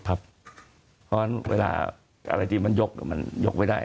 เพราะฉะนั้นเวลาอะไรที่มันยกมันยกไม่ได้